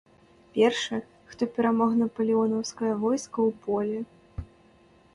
Першы, хто перамог напалеонаўскае войска ў полі.